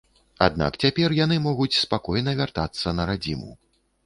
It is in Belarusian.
Аднак цяпер яны могуць спакойна вяртацца на радзіму.